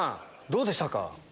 どうでしたか？